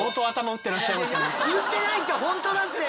打ってないって！